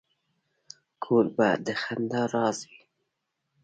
کوربه د خندا راز وي.